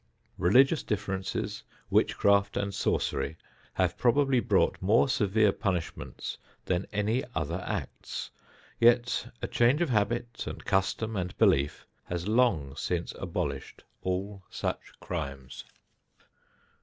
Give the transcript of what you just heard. Religious differences, witchcraft and sorcery have probably brought more severe punishments than any other acts; yet a change of habit and custom and belief has long since abolished all such crimes.